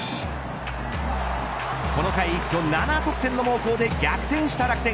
この回、一挙７得点の猛攻で逆転した楽天。